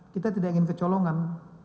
kita tidak ingin kecolongan